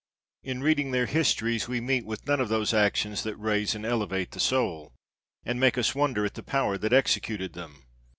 In read ing their histories we meet with none of those actions that raise and elevate the soul, and make us wonder at the power that executed them.